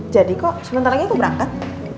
jadi kok sebentar lagi aku berangkat